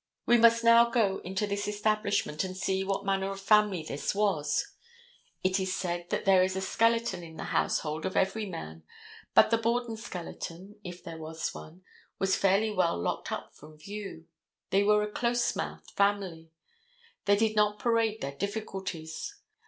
We must now go into this establishment and see what manner of family this was. It is said that there is a skeleton in the household of every man, but the Borden skeleton—if there was one—was fairly well locked up from view. They were a close mouthed family. They did not parade their difficulties.